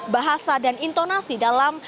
bahasa dan intonasi dalam